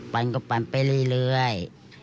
ปั่นก็ปั่นไปเลยครับ